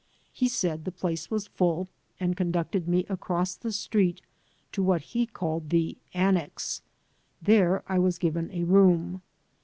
He said the place was full, and conducted me across the street to what he called the annex. There I was given a room.